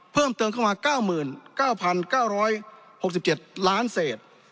เพิ่มเติมเข้ามา๙๙๙๙๖๗ล้านเศษ